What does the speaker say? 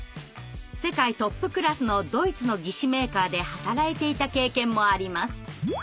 世界トップクラスのドイツの義肢メーカーで働いていた経験もあります。